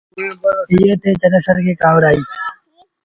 اُئي تي چنيسر کي ڪآوڙ آئيٚ۔